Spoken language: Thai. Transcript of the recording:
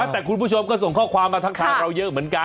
แต่คุณผู้ชมก็ส่งข้อความมาทักทายเราเยอะเหมือนกัน